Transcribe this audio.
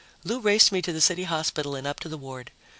Lou raced me to the City Hospital and up to the ward.